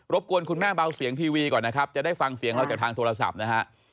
กวนคุณแม่เบาเสียงทีวีก่อนนะครับจะได้ฟังเสียงเราจากทางโทรศัพท์นะฮะ